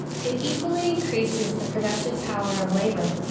It equally increases the productive power of labor.